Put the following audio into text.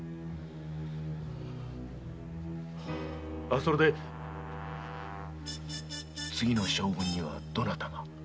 それで次の将軍にはどなたが？